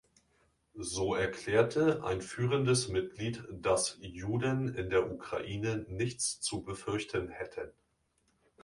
So erklärte ein führendes Mitglied, dass Juden in der Ukraine nichts zu befürchten hätten.